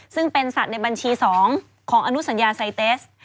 ซึ่งเป็นสัตว์ในบัญชี๒ของอนุสัญญาไซเตส